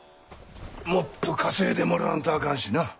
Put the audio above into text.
もっと稼いでもらわんとあかんしな。